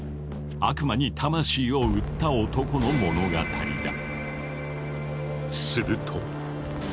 悪魔に魂を売った男の物語だ。